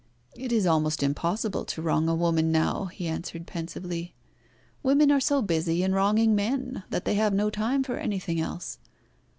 "It is almost impossible to wrong a woman now," he answered pensively. "Women are so busy in wronging men, that they have no time for anything else.